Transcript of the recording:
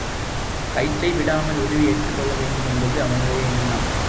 கயிற்றை விடாமல் உருவி எடுத்துக்கொள்ள வேண்டுமென்பது அவனுடைய எண்ணம்.